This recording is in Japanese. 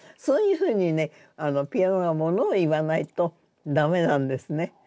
そういうふうにねピアノがものを言わないと駄目なんですね。